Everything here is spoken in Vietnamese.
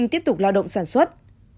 tiếp tục lao động sản xuất